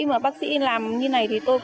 mà bác sĩ làm như này thì tôi còn